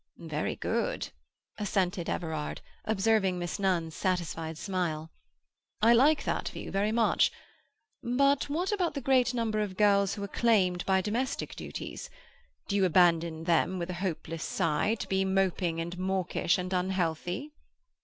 "Very good," assented Everard, observing Miss Nunn's satisfied smile. "I like that view very much. But what about the great number of girls who are claimed by domestic duties? Do you abandon them, with a helpless sigh, to be moping and mawkish and unhealthy?"